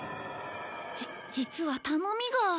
じ実は頼みが。